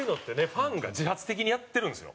ファンが自発的にやってるんですよ。